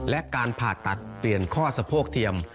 และการผ่าตัดเปลี่ยนข้อสะโพกเทียม